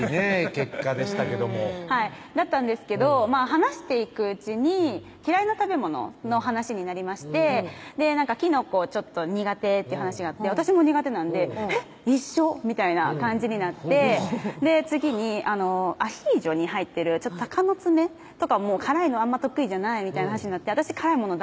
結果でしたけどもだったんですけど話していくうちに嫌いな食べ物の話になりましてきのこちょっと苦手っていう話があって私も苦手なんでえっ一緒みたいな感じになって次にアヒージョに入ってるたかのつめとかも辛いのあんま得意じゃないみたいな話になって私辛いもの